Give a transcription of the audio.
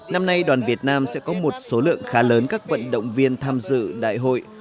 năm nay đoàn việt nam sẽ có một số lượng khá lớn các vận động viên tham dự đại hội